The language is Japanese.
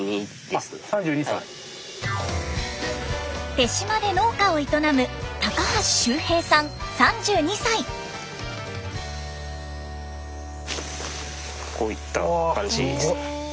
手島で農家を営むこういった感じですね。